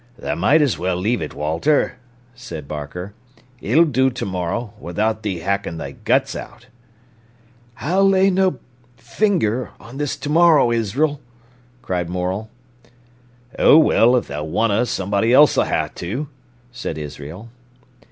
"Tha might as well leave it, Walter," said Barker. "It'll do to morrow, without thee hackin' thy guts out." "I'll lay no b—— finger on this to morrow, Isr'el!" cried Morel. "Oh, well, if tha wunna, somebody else'll ha'e to," said Israel.